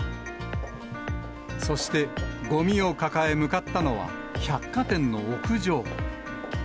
そして、ごみを抱え向かったのは百貨店の屋上。